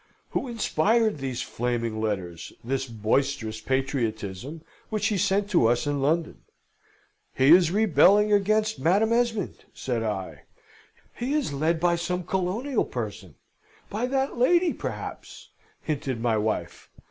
Who inspired these flaming letters, this boisterous patriotism, which he sent to us in London? "He is rebelling against Madam Esmond," said I. "He is led by some colonial person by that lady, perhaps," hinted my wife.